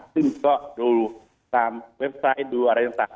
ซึ่งก็ดูตามเว็บไซต์ดูอะไรต่าง